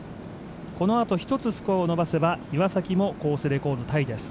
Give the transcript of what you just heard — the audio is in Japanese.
このあと１つスコアを伸ばせば岩崎もコースレコードタイです。